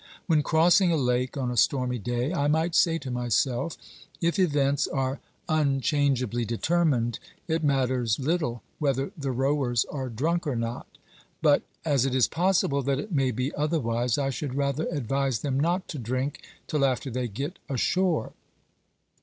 When crossing a lake on a stormy day, I might say to myself : If events are unchange ably determined, it matters little whether the rowers are drunk or not. But as it is possible that it may be otherwise, I should rather advise them not to drink till after they get ashore.